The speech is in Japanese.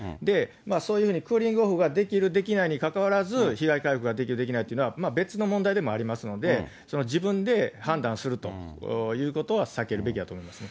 そういうふうにクーリングオフができるできないにかかわらず、被害回復ができるできないっていうのは、別の問題でもありますので、自分で判断するということは避けるべきだと思いますね。